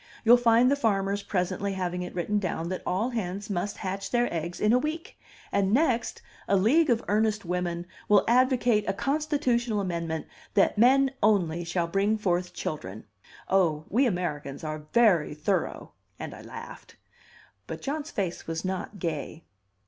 You'll find the farmers presently having it written down that all hens must hatch their eggs in a week, and next, a league of earnest women will advocate a Constitutional amendment that men only shall bring forth children. Oh, we Americans are very thorough!" And I laughed. But John's face was not gay.